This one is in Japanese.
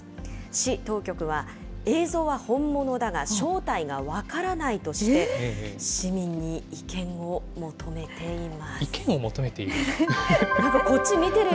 市当局は、映像は本物だが正体が分からないとして、市民に意見を意見を求めている？